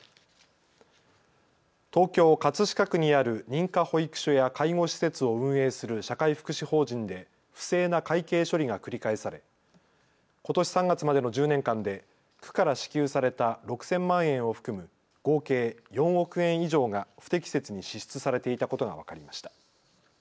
東京葛飾区にある認可保育所や介護施設を運営する社会福祉法人で不正な会計処理が繰り返されことし３月までの１０年間で区から支給された６０００万円を含む合計４億円以上が不適切に支出されていたことが分かりました。